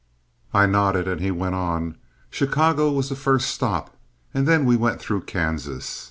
I nodded, and he went on: "Chicago was the first stop, and then we went through Kansas.